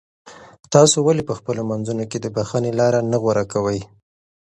تاسو ولې په خپلو منځونو کې د بښنې لاره نه غوره کوئ؟